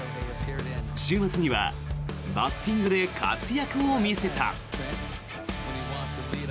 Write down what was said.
週末にはバッティングで活躍を見せた。